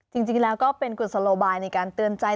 จริงแล้วก็เป็นกุศโลบายในการเตือนใจ